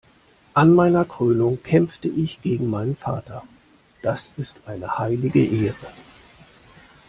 An meiner Krönung kämpfte ich gegen meinen Vater. Das ist eine heilige Ehre.